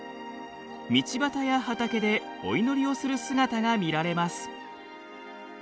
道端や畑でお祈りをする姿が見られます。